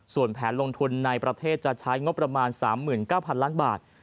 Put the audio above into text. ส่วนแผนลงทุนในประเทศจะใช้งบประมาณ๓๙๐๐ล้านบาท